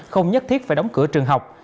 không nhất thiết phải đóng cửa trường học